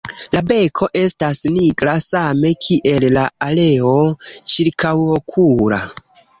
La beko estas nigra, same kiel la areo ĉirkaŭokula.